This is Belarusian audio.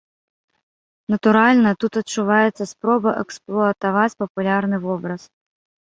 Натуральна, тут адчуваецца спроба эксплуатаваць папулярны вобраз.